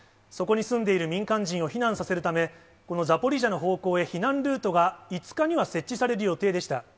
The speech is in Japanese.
そこに住んでいる民間人を避難させるため、このザポリージャの方向へ避難ルートが５日には設置される予定でした。